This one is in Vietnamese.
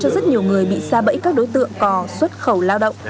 xa bẫy các đối tượng có xuất khẩu lao động